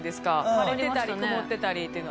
晴れてたり曇ってたりっていうの。